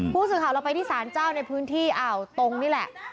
พูดข่าวเราไปที่ศาลเจ้าในพื้นที่ตรงนี้แหละ